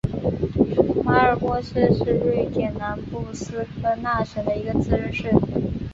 马尔默市是瑞典南部斯科讷省的一个自治市。